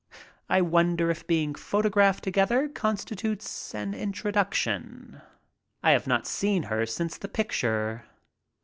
I wonder if being photographed together constitutes an introduction? I have not seen her since the picture.